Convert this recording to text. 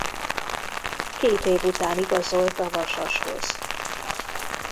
Két év után igazolt a Vasashoz.